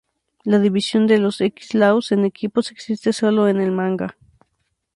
La división de los X-Laws en equipos existe solo en el manga.